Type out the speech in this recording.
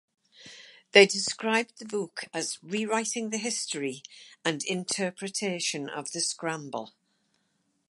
They described the book as "rewriting" the history and interpretation of the scramble.